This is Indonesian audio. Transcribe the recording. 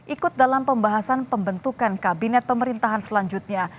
ikut dalam pembahasan pembentukan kabinet pemerintahan selanjutnya